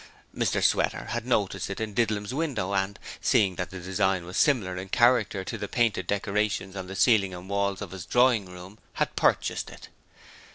Mr Sweater had noticed it in Didlum's window and, seeing that the design was similar in character to the painted decorations on the ceiling and walls of his drawing room, had purchased it.